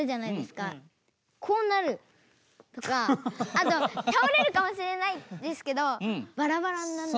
あとたおれるかもしれないですけどバラバラになんない。